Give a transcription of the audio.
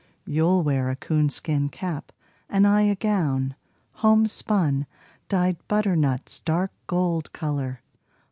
You'll wear a coonskin cap, and I a gown Homespun, dyed butternut's dark gold color.